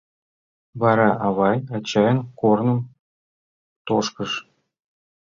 Вара авай ачайын корным тошкыш...